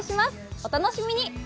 お楽しみに。